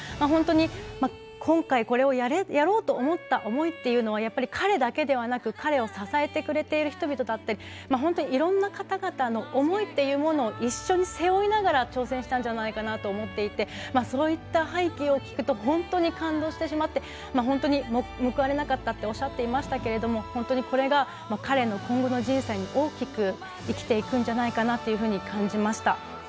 本当に今回これをやろうと思った思いというのはやっぱり彼だけではなく彼を支えてくれている人々だったり本当に、いろんな方々の思いというものを一緒に背負いながら挑戦したんじゃないかなと思っていてそういった背景を聞くと本当に感動してしまって本当に報われなかったっておっしゃっていましたが本当に、これが彼の今後の人生に大きく生きていくんじゃないかなというふうに感じました。